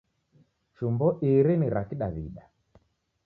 Chumbo iri ni ra Kidaw'ida.